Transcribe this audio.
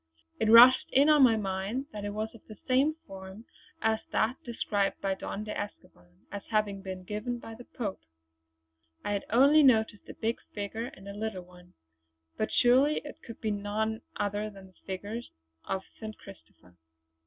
It rushed in on my mind that it was of the same form as that described by Don de Escoban as having been given by the Pope. I had only noticed a big figure and a little one; but surely it could be none other than a figure of St. Christopher.